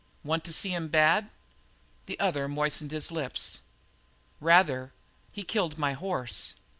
"Want to see him bad?" The other moistened his lips. "Rather! He killed my horse."